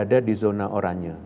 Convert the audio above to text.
ada di zona oranya